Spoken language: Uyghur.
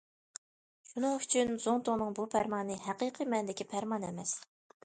شۇنىڭ ئۈچۈن زۇڭتۇڭنىڭ بۇ پەرمانى ھەقىقىي مەنىدىكى پەرمان ئەمەس.